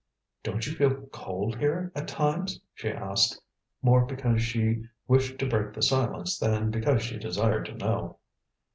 "Don't you feel cold here at times?" she asked, more because she wished to break the silence than because she desired to know.